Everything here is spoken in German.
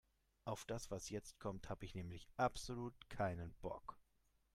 Auf das, was jetzt kommt, habe ich nämlich absolut keinen Bock.